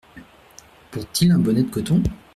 Porte-t-il un bonnet de coton ?…